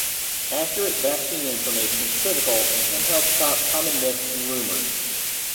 Accurate vaccine information is critical and can help stop common myths and rumors.